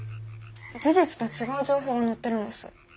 事実と違う情報が載ってるんです。